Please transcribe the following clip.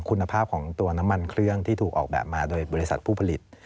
คุณภาพของตัวน้ำมันเครื่องที่ถูกออกแบบมาโดยบริษัทผู้ผลิต